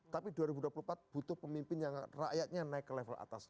tapi dua ribu dua puluh empat butuh pemimpin yang rakyatnya naik ke level atas